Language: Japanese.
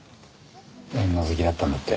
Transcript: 女好きだったんだって。